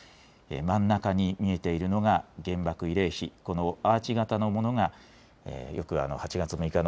まん中に見えているのが、原爆慰霊碑、このアーチ型のものがよく８月６日